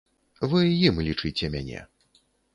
Вы ім лічыце мяне.